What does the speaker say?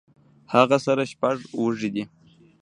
هغۀ سره شپږ وزې دي